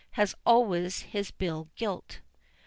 had always his bill gilt.